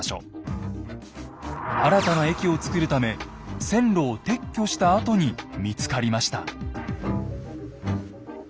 新たな駅をつくるため線路を撤去したあとに見つかりました。